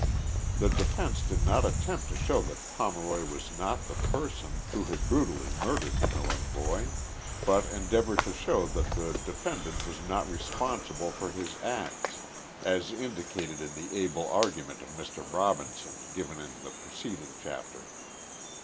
The defence did not attempt to show that Pomeroy was not the person, who had brutally murdered the Milieu boy, but en deavored to show that the defendant was not responsible for his acts, as indicated in the able argument of Mr. Robinson given in the preceding chapter.